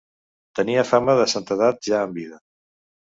Tenia fama de santedat ja en vida.